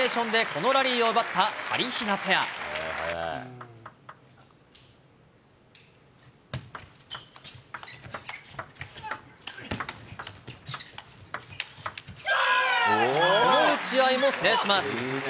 この打ち合いも制します。